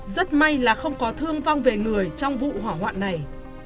rất may là không có thương vong về người trong vụ hỏa hoạn này